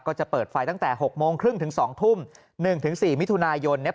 ก็จะเปิดไฟตั้งแต่๖โมงครึ่งถึง๒ทุ่ม๑๔มิถุนายนเนี่ย